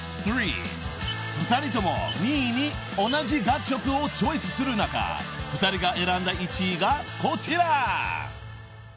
［２人とも２位に同じ楽曲をチョイスする中２人が選んだ１位がこちら］